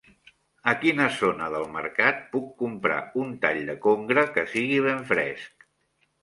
A quina zona del mercat puc comprar un tall de congre que sigui ben fresc?